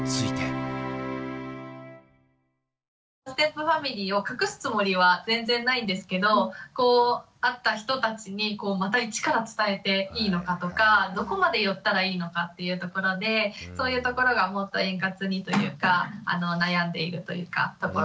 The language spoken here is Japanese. ステップファミリーを隠すつもりは全然ないんですけど会った人たちにまた一から伝えていいのかとかどこまで言ったらいいのかっていうところでそういうところがもっと円滑にというか悩んでいるというかところです。